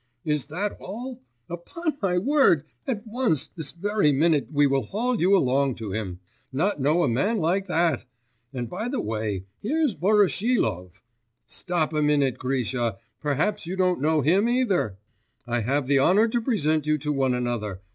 'Is that all? Upon my word! At once, this very minute we will haul you along to him. Not know a man like that! And by the way here's Voroshilov.... Stop a minute, Grisha, perhaps you don't know him either? I have the honour to present you to one another.